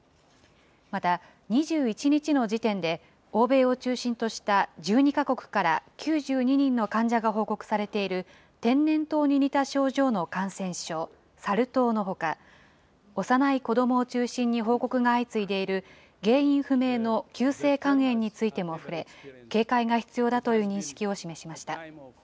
また、２１日の時点で、欧米を中心とした１２か国から９２人の患者が報告されている天然痘に似た症状の感染症、サル痘のほか、幼い子どもを中心に報告が相次いでいる原因不明の急性肝炎についても触れ、警戒が必要だという認識を示しました。